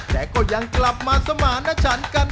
แต่ก็ยังกลับมาสมารณชันกัน